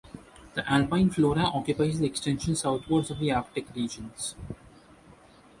The alpine flora occupies the extension southwards of the Arctic regions.